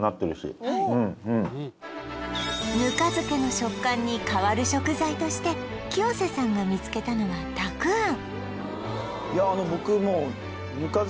ぬか漬けの食感に代わる食材として清瀬さんが見つけたのはたくあん